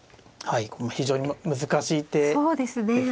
はい非常に難しい手ですね。